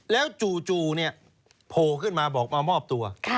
แล้วจู่โผล่ขึ้นมาบอกมามอบตัว